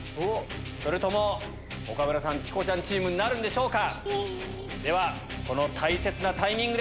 それとも岡村さん・チコちゃんチームになるんでしょうか？